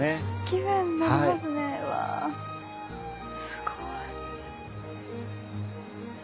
すごい。